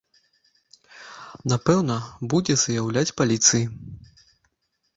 Напэўна, будзе заяўляць паліцыі.